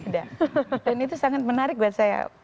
dan itu sangat menarik buat saya